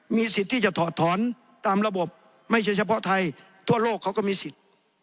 มีสิทธิ์ที่จะถอดถอนตามระบบไม่ใช่เฉพาะไทยทั่วโลกเขาก็มีสิทธิ์